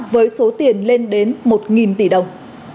với số tiền lên đến một tỷ đồng